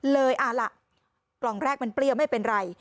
เลยเอาล่ะกล่องแรกมันเปรี้ยวไม่เป็นไร